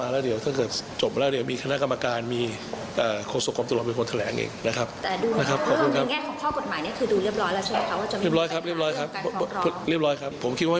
เรียบร้อยครับเรียบร้อยครับ